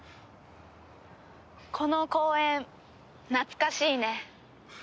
この公園懐かしいね。